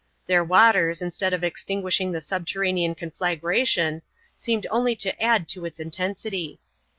Their waters, instead of extinguishing the subterranean conflagration, seemed only to add to its intensity.